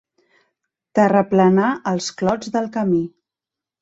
Terraplenar els clots del camí.